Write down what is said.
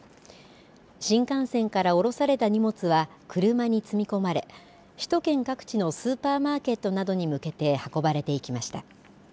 新幹線から降ろされた荷物は車に積み込まれ、首都圏各地のスーパーマーケットなどに向けて運ばれていきました。